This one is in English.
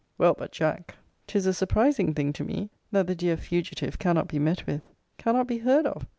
Well, but, Jack, 'tis a surprising thing to me, that the dear fugitive cannot be met with; cannot be heard of.